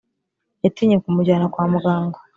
yatinye kumujyana kwa muganga,